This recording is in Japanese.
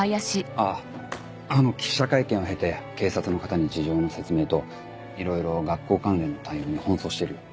あぁあの記者会見を経て警察の方に事情の説明といろいろ学校関連の対応に奔走してるよ。